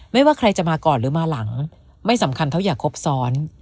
ว่าใครจะมาก่อนหรือมาหลังไม่สำคัญเท่าอย่าครบซ้อน